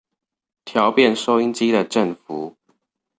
調變收音機的振幅